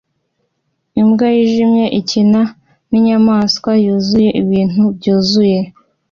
Imbwa yijimye ikina ninyamaswa yuzuye ibintu byuzuye